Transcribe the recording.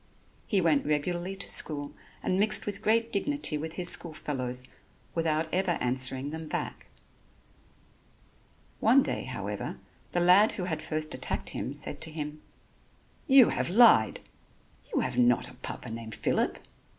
He went regularly to school and mixed with great dignity with his school fellows without ever answering them back. One day, however, the lad who had first attacked him said to him: "You have lied. You have not a Papa named Phillip."